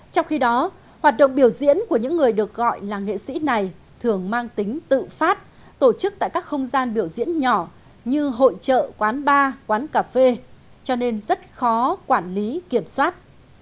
trong khi đó hoạt động biểu diễn của những người được gọi là nghệ sĩ này thường mang tính tự phát tổ chức tại các không gian biểu diễn nhỏ như hội trợ quán bar quán cà phê cho nên rất khó quản lý kiểm soát